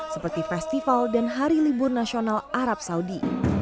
seperti festival dan hari libur nasional arab saudi